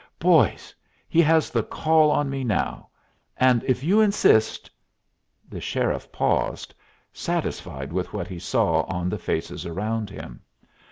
Boys! he has the call on me now; and if you insist " The sheriff paused, satisfied with what he saw on the faces around him.